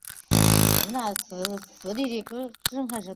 考古学家认为它是同时代佛教僧院建筑的典型代表。